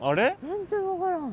全然分からん。